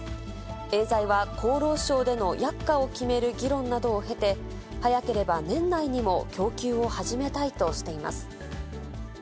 エーザイは厚労省での薬価を決める議論などを経て、早ければ年内にも供給を始めたいとしています。